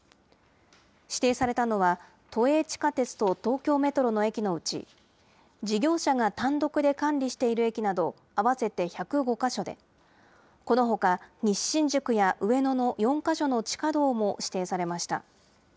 指定されたのは、都営地下鉄と東京メトロの駅のうち、事業者が単独で管理している駅など合わせて１０５か所で、このほか西新宿や上野の４か所の地下道も指定されました。